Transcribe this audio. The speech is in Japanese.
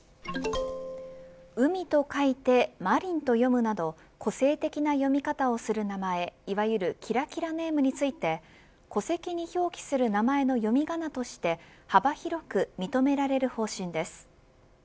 海と書いてまりんと読むなど個性的な読み方をする名前いわゆるキラキラネームについて戸籍に表記する名前の読み仮名として幅広く認められる方針です。